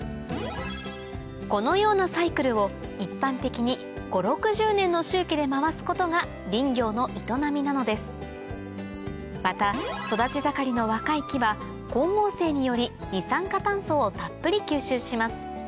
このようなサイクルを一般的にことが林業の営みなのですまた育ち盛りの若い木は光合成により二酸化炭素をたっぷり吸収します